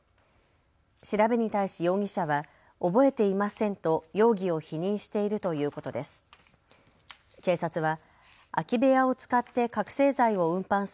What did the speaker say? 調べに対し容疑者は覚えていませんと容疑を否認しているということです。